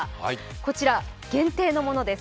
こちら、限定のものです。